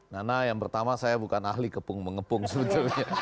nah nah yang pertama saya bukan ahli kepung mengepung sebenarnya